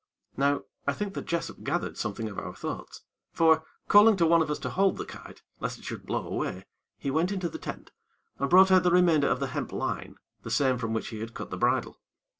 Now, I think that Jessop gathered something of our thoughts; for, calling to one of us to hold the kite, lest it should blow away, he went into the tent, and brought out the remainder of the hemp line, the same from which he had cut the bridle.